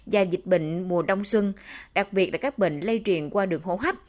và dịch bệnh mùa đông xuân đặc biệt là các bệnh lây truyền qua đường hô hấp